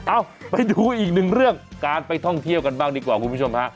เอ้าไปดูอีกหนึ่งเรื่องการไปท่องเที่ยวกันบ้างดีกว่าคุณผู้ชมฮะ